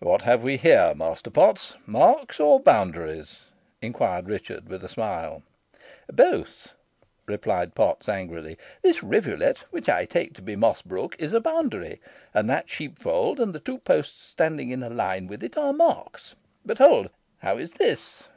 "What have we here, Master Potts marks or boundaries?" inquired Richard, with a smile. "Both," replied Potts, angrily. "This rivulet, which I take to be Moss Brook, is a boundary, and that sheepfold and the two posts standing in a line with it are marks. But hold! how is this?"